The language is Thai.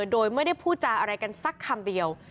โดยไม่ได้พูดจาอะไรกันสักคำเดียว